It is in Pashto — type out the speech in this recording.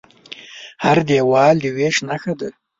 هر دیوال د وېش نښه ده.